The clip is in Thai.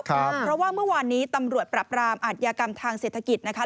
เพราะว่าเมื่อวานนี้ตำรวจปรับรามอาทยากรรมทางเศรษฐกิจนะคะ